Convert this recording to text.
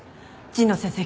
神野先生